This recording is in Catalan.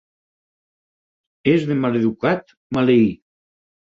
És de maleducat maleir.